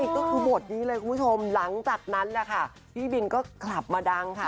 ก็คือบทนี้เลยคุณผู้ชมหลังจากนั้นแหละค่ะพี่บินก็กลับมาดังค่ะ